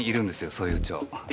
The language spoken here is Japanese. そういう蝶。